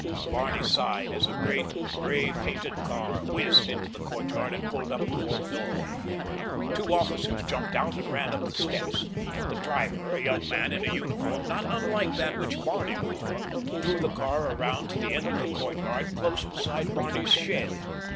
Barney sighed as a great, gray painted car whizzed into the courtyard and pulled up before the doorway. Two officers jumped out and ran up the steps. The driver, a young man in a uniform not unlike that which Barney wore, drew the car around to the end of the courtyard close beside Barney's shed.